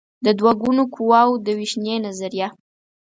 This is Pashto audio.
د دوه ګونو قواوو د وېشنې نظریه